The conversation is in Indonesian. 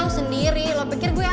sendiri lo pikir gue apa